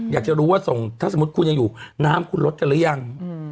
อยากจะรู้ว่าส่งถ้าสมมุติคุณยังอยู่น้ำคุณลดกันหรือยัง